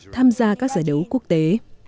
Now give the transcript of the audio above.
tham gia các giải đấu quốc tế